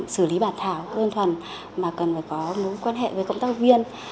xử lý bà thảo đơn thuần mà cần phải có mối quan hệ với cộng tác viên